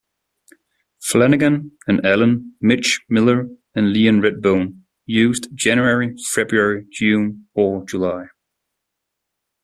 Flanagan and Allen, Mitch Miller and Leon Redbone used January, February, June or July.